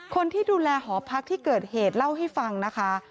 คนที่ดูแลหอพักที่เกิดเหตุเล่าให้ฟังนะคะ